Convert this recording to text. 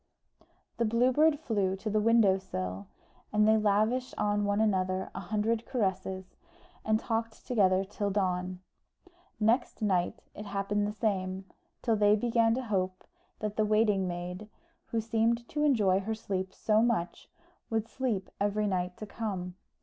The Blue Bird flew to the window sill, and they lavished on one another a hundred caresses, and talked together till dawn. Next night it happened the same, till they began to hope that the waiting maid, who seemed to enjoy her sleep so much, would sleep every night to come.